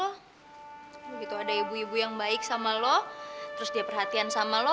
begitu ada ibu ibu yang baik sama lo terus dia perhatian sama lo